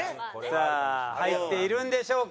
さあ入っているんでしょうか？